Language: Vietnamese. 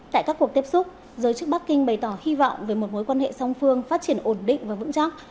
tại các cuộc tiếp xúc giới chức bắc kinh bày tỏ hy vọng về một mối quan hệ song phương phát triển ổn định và vững chắc